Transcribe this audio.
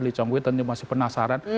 li chongwei tentunya masih penasaran